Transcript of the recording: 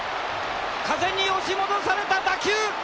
風に押し戻された打球！